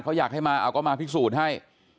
เขาอยากให้มาเอาก็มาพิสูจน์ให้